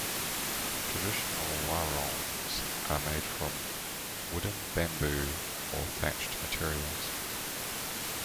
Traditional warungs are made from wooden, bamboo or thatched materials.